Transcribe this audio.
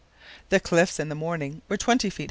The cliffs in the morning were 20 ft.